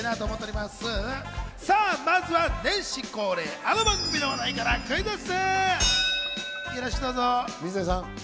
まずは年始恒例、あの番組の話題からクイズッス！